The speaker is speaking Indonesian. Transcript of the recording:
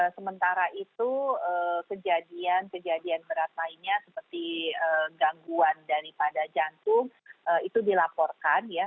sementara itu kejadian kejadian berat lainnya seperti gangguan daripada jantung itu dilaporkan ya